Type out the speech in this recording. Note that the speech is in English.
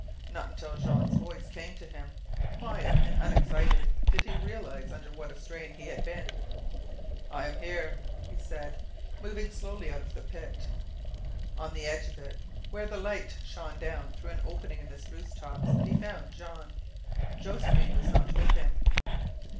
Not until Jean's voice came to him, quiet and unexcited, did he realize under what a strain he had been. "I am here," he said, moving slowly out of the pit. On the edge of it, where the light shone down through an opening in the spruce tops, he found Jean. Josephine was not with him.